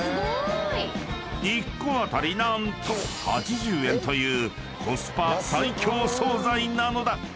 ［１個当たり何と８０円というコスパ最強惣菜なのだ！］